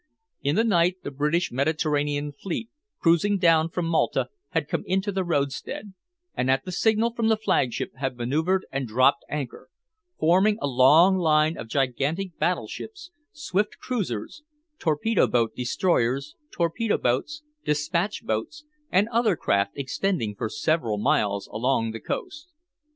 In the night the British Mediterranean fleet, cruising down from Malta, had come into the roadstead, and at the signal from the flagship had maneuvered and dropped anchor, forming a long line of gigantic battleships, swift cruisers, torpedo boat destroyers, torpedo boats, despatch boats, and other craft extending for several miles along the coast.